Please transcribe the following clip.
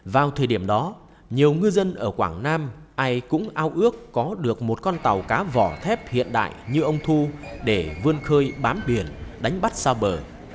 vào thời điểm đó nhiều ngư dân ở quảng nam ai cũng ao ước có được một con tàu cá vỏ thép hiện đại như ông thu để vươn khơi bám biển đánh bắt xa bờ